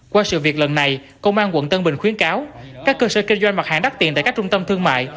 qua sự việc lần này công an quận tân bình khuyến cáo các cơ sở kinh doanh mặt hàng đắt tiền tại các trung tâm thương mại